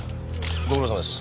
ご苦労さまです。